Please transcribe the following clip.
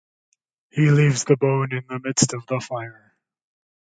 He leaves the bone in the midst of the fire.